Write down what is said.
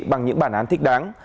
bằng những bản án thích đáng